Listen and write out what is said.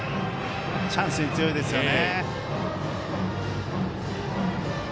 チャンスに強いですよね。